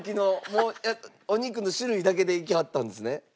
もうお肉の種類だけでいきはったんですね？